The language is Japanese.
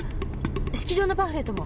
式場のパンフレットも。